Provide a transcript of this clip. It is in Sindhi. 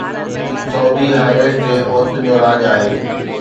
سعودي هاءِ ويز تي عورتن جو راڄ آهي